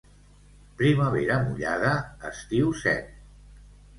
Primavera mullada, estiu sec.